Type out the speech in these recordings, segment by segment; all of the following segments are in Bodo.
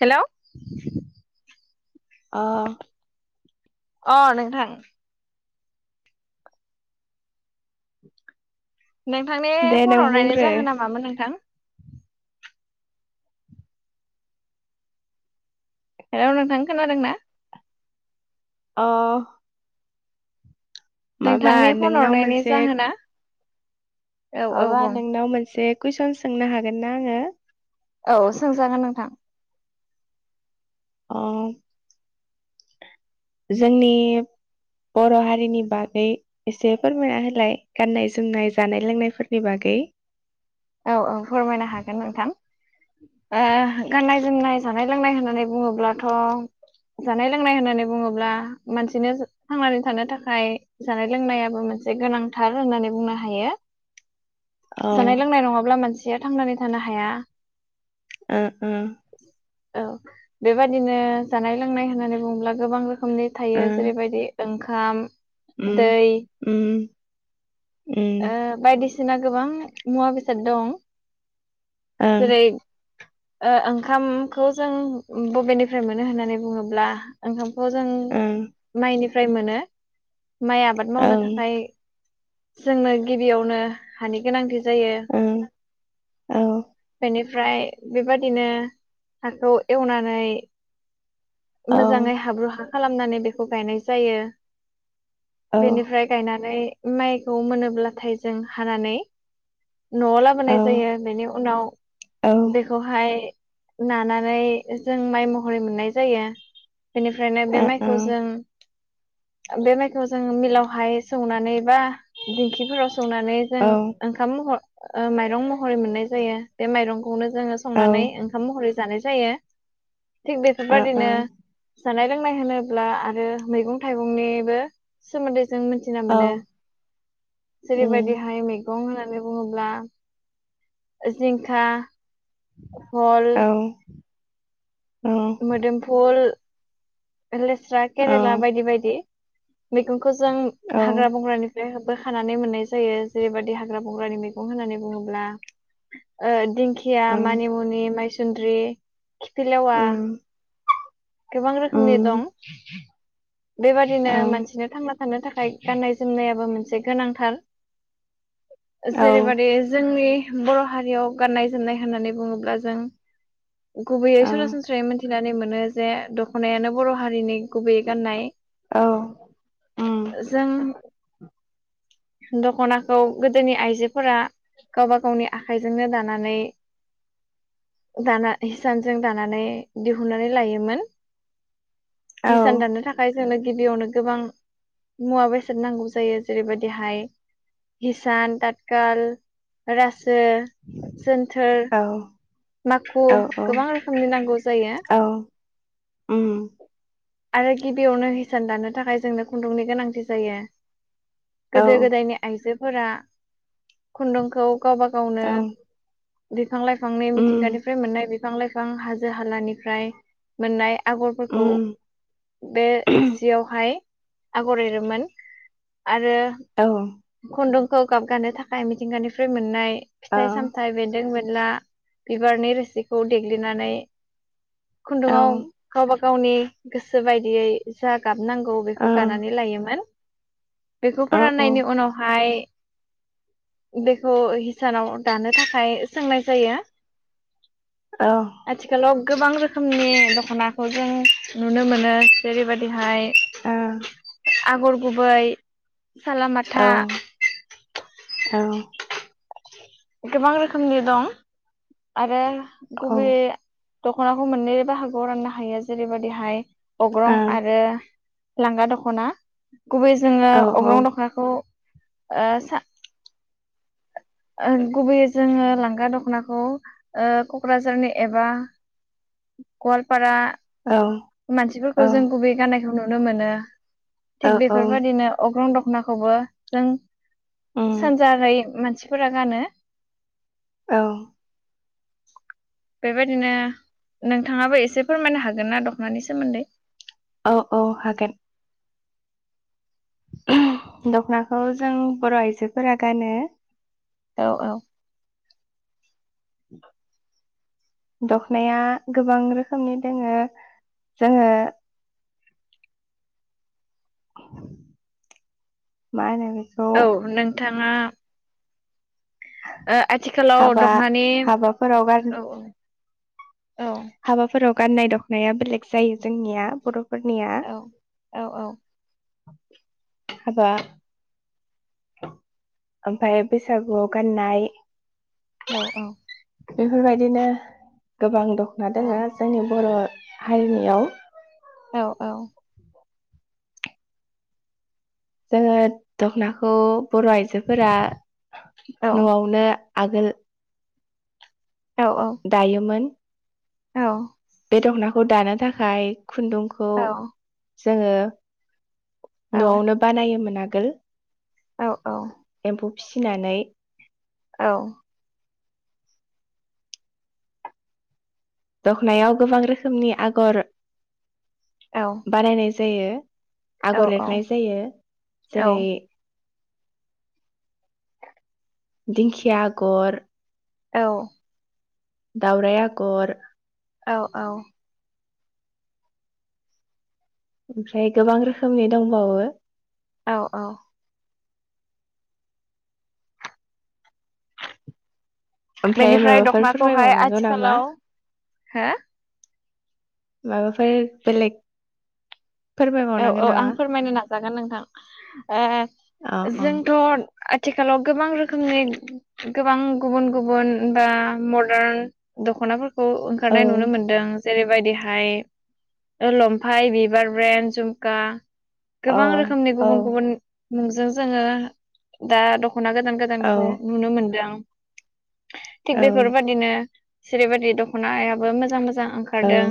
हेलौ'। ओ। अ नोंथां। [inaudible] नोंथांनि दे फन नों हरनायनि बुंग्रो जाहोना मामोन नोंथां? हेल नोंथां खोनादों ना? ओ। नोंथांनि फन हरनायनि जाहोना। औ औ आबा बुं नों नाव मानसे। कुइसन सोंनो हागोन ना आङो? औ सोंजागोन नोंथां। औ। जोंनि बर' हारिनि बागै एसे फोरमायना होलाय गाननाय जोमनाय जानाय लोंनायफोरनि बागै। औ औ फोरमायनो हागोन नोंथां। ओ गाननाय जोमनाय जानाय लोंनाय होननानै बुङोब्लाथ' जानाय लोंनाय होननानै बुङोब्ला मानसिनो थांनानै थानो थाखाय जानाय लोंनायाबो मोनसे गोनांथार होननानै बुंनो हायो। औ। अब्ला मानसिया थांनानै थानो हाया। ओ ओ। औ बेबादिनो जानाय लोंनाय होननानै बुङोब्ला गोबां रोखोम रोखोमनि ओ थायो जेरैबायदि ओंखाम खाम उम उम। उम ओ बायदिसि सिना गोबां मुवा बेसाद दं। ओं जेरै ओ ओंखामखौ जों बबेनिफ्राय मोनो होननानै बुङोब्ला ओंखाम खामखौ जों माइनि फ्राय मोनो। माइ आबाद मावनो ओं थाखाय जोंनो गिबियावनो हानि गोनांथि जायो ओं ओं बेनि ओमफ्राय बेबादिनो हाखौ एवनानै औ मोजाङै हाब्रु हा खालामनानै बेखौ गायनाय जायो। औ बेनिफ्राय गायनानै माइ खौ मोनोब्लाथाय जों हानानै न'आव औ लाबोनाय जायो बेनि उनाव औ ओ ओं बेखौहाय नानानै जों माइ महरै मोननाय जायो। बेनिफ्रायनो बे औ औ माइखौ जों बे माइखौ जोङो मिलावहाय सौनानै बा दिंखिफोराव सौनानै जों ओ ओंखाम महर ओ माइरं महरै मोननाय जायो। बे माइरं खौनो जों संनानै ओंखाम महरै जानाय जायो। थिग ओं बेफोरबादिनो जानाय लोंनाय होनोब्ला आरो मैगं थाइगंनिबो सोमोन्दै जों मिथिना मोनो। औ उम जेरैबायदिहाय मैगं होनना नै बुङोब्ला जिंखा फथ'ल औ मोदोमफुल लेस्रा, केरेला बायदि बायदि। मैगं खौजों हाग्रा बंग्रानिफ्राय [unintelligible] बो खानानै मोन्नाय जायो जेरैबादि हांग्रा-बंग्रानि मैगं होननानै बुङोब्ला ओ दिं खिया, मानिमुनि, माइसु नद्रि खिफिलेवा गोबां रोखोमनि दं। बेबादिनो मानसिनो थांना थानो थाखाय गाननाय-जोमनायाबो मोन से गोनांथार। जेरैबादि जोंनि बर' हारियाव गाननाय-जोमनाय होननानै बुङोब्ला जों गुबैयै सरासनस्रायै मोन थिनानै मोनो जे दख'नायानो बर' हारिनि गुबै गाननाय जों दख'नाखौ गोदोनि आइजोफोरा गावबा गावनि आखाइजोंनो दानानै दाना हिसानजों दानानै दिहुननानै लायो मोन। औ हिसान दानो थाखाय जोंनो गिबियावनो गोबां मुवा बेसाद नांगौ जायो जेरैबायदिहाय हिसान, ताथखाल, रा सु, जोनथोर माखु औ गोबां रोखोमनि नांगौ जायो। आरो गिबियावनो हिसान दानो थाखाय जोंनो खुन्दुंनि गोनांथि जायो। गोदो गोदायनि आइजो फोरा खुन्दुंखौ गावबा गावनो बिफां लाइफां मि थिंगानिफ्राय मोननाय बि फां लाइफां हाजो हालानिफ्राय मोननाय आगरफोरखौ बे जियावहाय आगर एरोमोन आरो खुन्दुं खौ गाबगानो थाखाय मिथिंगानिफ्राय मोननाय फिथाइ सामथाइ बेन्दों बेन ला बिबारनि रोसिखौ देग्लिनानै खुन्दुङाव गावबा गावनि गोसो बायदियै जा गाबनांगौ बेखौ गानानै लायोमोन बेखौ फोराननायनि उनावहाय बेखौ हिसानाव दानो थाखाय सोंनाय जायो आथिखालाव गोबां रोखोमनि दख'नाखौ जों नुनो मोनो जेरैबायदिहाय ओ आगर गुबै साला माथा गोबां रोखोमनि दं आरो गुबै दख'नाखौ मोननै बाहागोआव राननो हायो जेरैबायदिहाय अग्रं आरो लांगा दख'ना गुबै जोङो अग्रं दखनाखौ आ सा ओ गुबैयै जोङो लांगा दख'नाखौ ओ क'क्राझारनि एबा गवालपारा मानसिफोरखौ जों गुबै गाननाय नुनो मोनो। थिग बेफोरबायदिनो अग्रं द नाखौबो जों सानजा राय मानसि फोरा गानो औ बेबायदिनो नोंथाङाबो एसे फोरमायनो हागोन ना द खनानि सोमोन्दै? औ औ हागोन। दखनाखौ जों बर' आइजोफोरा गानो। औ औ दखनाया गोबां रोखोमनि दोङो‌। जोङो मा होनो बेखौ औ नों थांङा ओ आथिखालाव हाबा दखनानि हाबाफोराव गान औ औ हाबाफोराव गाननाय दखनाया बेलेग जायो जोंनिया बर' औ औ औ हाबा ओमफाय बैसागुवाव गाननाय औ औ बेफोरबायदिनो गोबां दख'ना दोङो जोंनि बर' हारिनियाव औ औ जोङो दख'नाखौ बर' आइजोफोरा औ न'वावनो आगोल औ दायोमोन। औ बे दख'नाखौ दानो थाखाय खुन्दुंखौ जोङो न'वावनो बानायोमोन आ गोल। एम्फौ फिसिनानै औ दखनायाव गोबां रोखोमनि आगर बानानाय जायो आगर एरनाय जायो जेरै दिंखिया आगर औ दावराय आगर औ औ ओमफ्राय गोबां रोखोमनि दंबावो औ औ। ओमफ्राय बेनिफ्राय माबाफोर दख'नाखौहाय फोरमायबावनांगौ नामा आथिखालाव हो? माबाफोर बेलेग औ फोरमायबावनांगोन औ आं नामा फोरमायनो नाजागोन नोंथां। अ अ ओ ोंथ' आथिखालाव गोबां रोखोमनि गोबां गुबुन गुबुन बा मदार्न दख'नाफोरखौ खौ औ ओंखारनाय नुनो मोनदों। जेरैबायदिहाय लंफाय, बिबार ब्रेन्ड झुमका अ औ गोबां रोखोमनि गुबुन गुबुन नोंजों जोङो दा दख ख'ना गोदान औ गोदानखौ नुनो मोनदों। थिग औ बेफोरबादिनो जेरैबायदि दख'नायाबो मोजां मोजां जां औ ओंखारदों।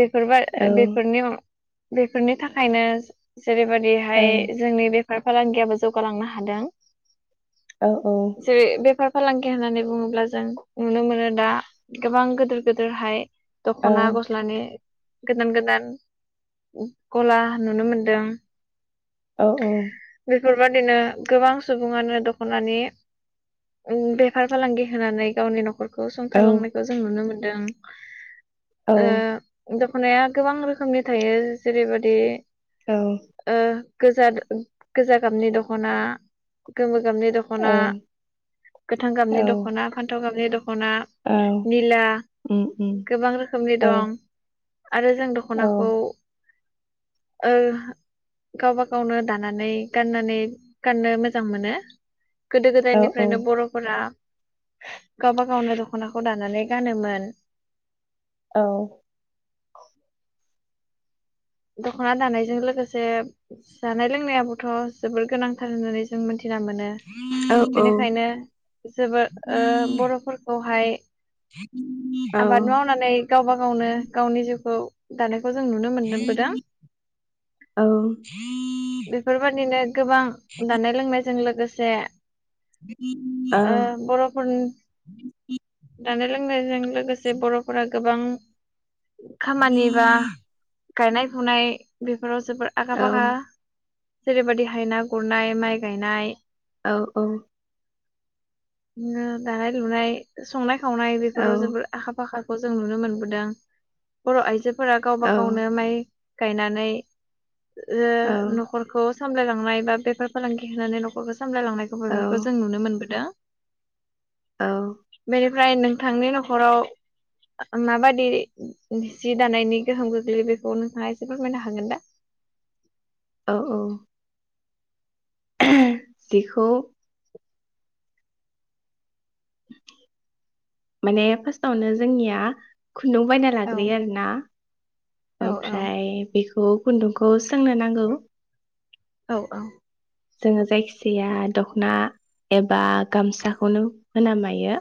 बेफोरबा औ बेफोरनि बेफोरनि थाखायनो औ जेरैबायदिहाय जोंनि बे बेफार फालांगियाबो जौगालांनो हादों। औ जेरै बेफार फालांगि होननानै बुङोब्ला जों नुनो मोनो दा गोबां गोदोर गोदोरहाय दख'ना गस्लानि गोदान गोदान ग-गला नुनो मोनदों। औ औ। बेफोरबादिनो गोबां सुबुङानो दख'नानि बेफार फालांगि होनानै गावनि न'ख खरखौ सुंथालांनायखौ जों नुनो मोन दों। ओ दाब खनाया गोबां रोखोमनि थायो। जेरैबादि ओ गोजा-गोजा गाबनि दखना गोमो गाबनि दख'ना, औ गोथां गाबनि औ दख'ना, फान्थाव गाबनि दख दखना, औ निला उम उम गोबां रोखोमनि दं। आरो जों दख'ना औ। ओ गावबा गावनो दानानै गाननानै गाननो मोजां मोनो। गोदो औ गोदायनिफ्रायनो बर'फोरा गावबा गावनो दख'नाखौ दानानै गानोमोन। औ। दख'ना दानायजों लोगोसे जानाय लोंनायाबोथ' जोबोर गोनांथार होननानै जों मोनथि मोनो बेनिखायनो जोबोद ओ बर'फोरखौ फाय आबाद मावनानै गावबा गावनो गावनि जिउखौ दानो जों नुनो मोनदों बेफोरबायदिनो गोबां दानाय लोंनाय जों लोगोसे ओ बर'फोरनि जानाय लोंनायजों लोगोसे बर'फोरा गोबां खामानिबा गायनाय फुनाय बे फोराव जोबोद आखा फाखा। जेरैबायदि हायना गुरनाय माइ गायनाय। औ औ। दानाय लुनाय संनाय खावनाय बेफोराव जोबोर आखा फाखा। खौ जों नुनो मोनबोदों बर' आइजो फोरा गावबा गावनो ओमफाय गायनानै ओ न'खरखौ सामलायलांनाय बा बेफार फालांगि होनानै न'खरखौ सामलायलांनायखौ बेफोरखौ जों नुनो मोनबोदों। औ। ओमफ्राय नोंथांनि न'खराव माबादि जि दानायनि गोहोम गोग्लैयो बेफोर बेखौ नोंथाङा एसे फोरमायनो हागोन दा? औ औ। बेखौ माने फार्स्टआवनो जोंनिया खुन्दुं बायना औ लाग्रोयो आरो ना औ ओमफ्राय बेखौ औ खुन्दुंखौ सोंनो नांगौ। औ औ। जोङो जायखिजाया दख'ना एबा गामसाखौनो होना नायो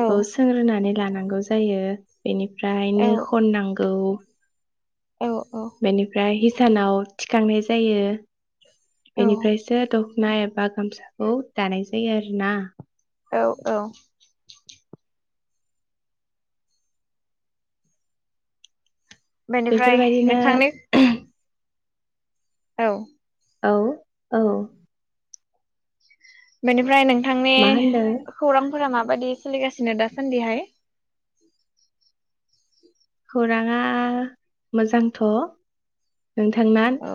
औ सोंग्रोनानै लानांगौ जायो बेनि ओमफ्राय औ नो खननांगौ। [inaudible] औ बेनिफ्राय हिसानाव थिखांनाय जायो। औ बेनिफ्रायसो दख'ना एबा गामसाखौ दानाय जायो। बे आरो ना। औ औ। बेनिफ्राय बेफोरबायदिनो नोंथांनि औ। औ औ। बेनिफ्राय नों नोंथांनि मा होनदों खौरांफोरा माबायदि सोलिगासिनो? जोंना दासान्दिहाय। खौराङा मोजांथ'। नोंथांना? औ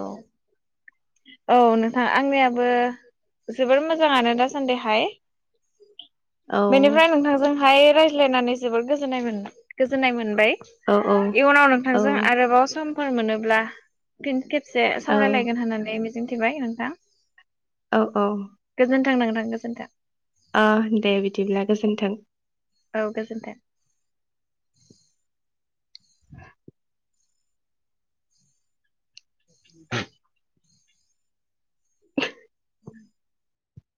औ नोंथां आंनियाबो जोबोर मोजाङानो दासान्दिहाय। औ बेनिफ्राय नोंथांजोंहाय रायज्लायनानै जोबोर गोजोननाय मोन गोजोननाय मोनबाय। औ औ इयुनाव औ नोंथांजों आरोबाव सम समफोर मोनोब्ला फिन खेब एसे औ सावरायलायगोन होननानै मिजिं थिबाय नोंथां। औ औ ओ नंगौ नोंथां गोजोन्थाों। ओ दे बिदिब्ला गोजोन्थों औ गोजोनथों। [inaudible] [inaudible]